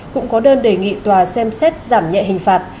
cũng có đơn đề nghị tòa xem xét giảm nhẹ hình phạt